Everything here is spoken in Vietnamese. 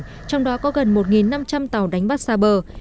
trong đó có gần một năm trăm linh tàu đánh bắt xa bờ